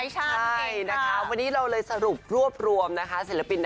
จะได้เห็นใจไทย